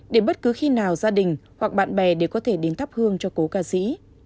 để bất cứ khi nào gia đình hoặc bạn bè đều có thể đến thắp hương cho cố ca sĩ